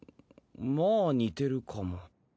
まあ似てるかも。